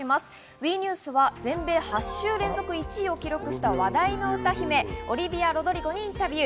ＷＥニュースは全米８週連続１位を記録した話題の歌姫、オリヴィア・ロドリゴにインタビュー。